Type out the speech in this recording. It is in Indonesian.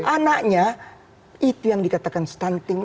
anaknya itu yang dikatakan stunting